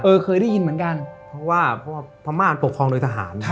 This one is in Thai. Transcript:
เออเคยได้ยินเหมือนกันเพราะว่าพระมารปกครองโดยทหารครับ